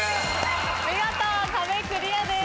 見事壁クリアです。